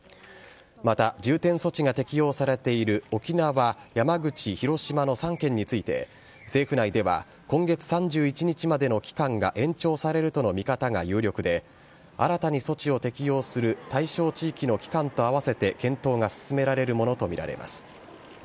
また重点措置が適用されている沖縄、山口、広島の３県について、政府内では、今月３１日までの期間が延長されるとの見方が有力で、新たに措置を適用する対象地域の期間と合わせて、検討が進められるものと見られます。